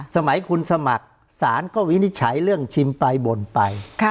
สมัยคุณสมัครศาลก็วินิจฉัยเรื่องชิมไปบ่นไป